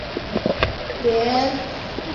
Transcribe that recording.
瑞士联邦秘书长提供一般支援。